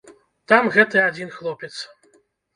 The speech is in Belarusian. Там гэты адзін хлопец.